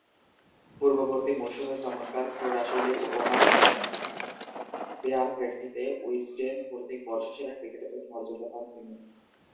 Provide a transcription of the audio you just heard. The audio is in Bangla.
পূর্ববর্তী মৌসুমের চমৎকার ক্রীড়াশৈলীর উপহার দেয়ার প্রেক্ষিতে উইজডেন কর্তৃক বর্ষসেরা ক্রিকেটারের মর্যাদা পান তিনি।